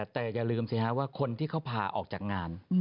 แต่อย่าลืมสิฮะว่าคนที่เขาพาออกจากงาน